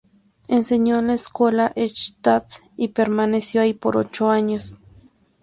Enseñó en la escuela de Eichstätt y permaneció allí por ocho años.